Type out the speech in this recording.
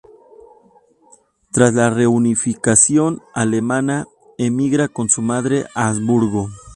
Tras la reunificación alemana emigra con su madre a Hamburgo.